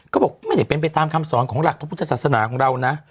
ก็บอกไม่ได้เป็นไปตามคำสอนของหลักพระพุทธศาสนาของเรานะ